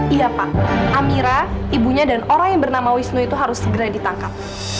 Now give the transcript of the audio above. iya pak amira ibunya dan orang yang bernama wisnu itu harus segera ditangkap